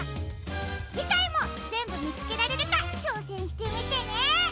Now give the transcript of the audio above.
じかいもぜんぶみつけられるかちょうせんしてみてね！